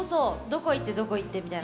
どこ行ってどこ行ってみたいな。